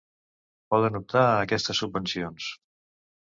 Poden optar a aquestes subvencions.